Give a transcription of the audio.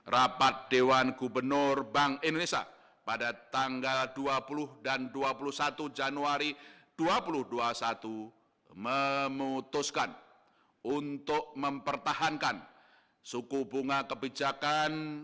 rapat dewan gubernur bank indonesia pada tanggal dua puluh dan dua puluh satu januari dua ribu dua puluh satu memutuskan untuk mempertahankan suku bunga kebijakan